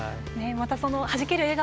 またはじける笑顔